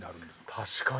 確かに。